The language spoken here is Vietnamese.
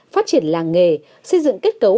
phát triển làng nghề xây dựng kết cấu